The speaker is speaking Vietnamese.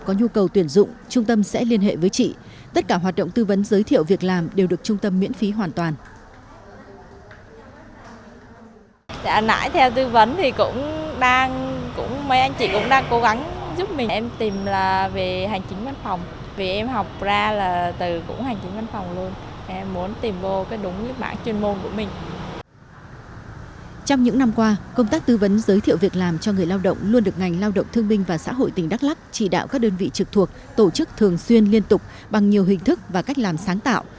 công tác tư vấn giới thiệu việc làm cho người lao động luôn được ngành lao động thương minh và xã hội tỉnh đắk lắk chỉ đạo các đơn vị trực thuộc tổ chức thường xuyên liên tục bằng nhiều hình thức và cách làm sáng tạo